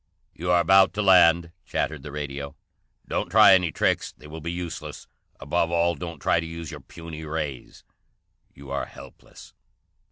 "You are about to land," chattered the radio. "Don't try any tricks; they will be useless. Above all, don't try to use your puny ray. You are helpless."